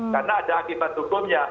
karena ada akibat hukumnya